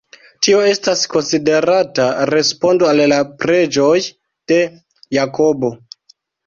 Tio estas konsiderata respondo al la preĝoj de Jakobo.